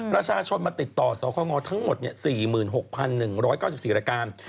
ราชาชนมาติดต่อสาวข้องงอทั้งหมด๔๖๑๙๔ระการ